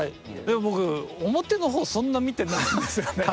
僕表のほうそんな見てないんですよね。